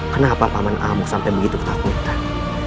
kenapa paman amo sampai begitu ketakutan